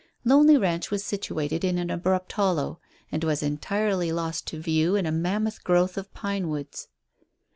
Lonely Ranch was situated in an abrupt hollow, and was entirely lost to view in a mammoth growth of pinewoods.